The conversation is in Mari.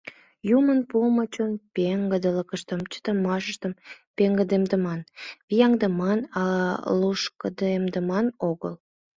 Юмын пуымо чон пеҥгыдылыкыштым, чытымашыштым пеҥгыдемдыман, вияҥдыман, а лушкыдемдыман огыл...